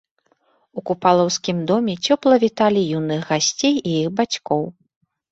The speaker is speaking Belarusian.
У купалаўскім доме цёпла віталі юных гасцей і іх бацькоў.